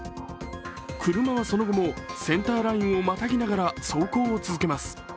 車はその後もセンターラインをまたぎながら走行を続けます。